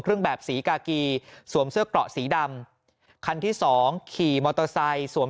เครื่องแบบสีกากีสวมเสื้อเกราะสีดำคันที่สองขี่มอเตอร์ไซค์สวม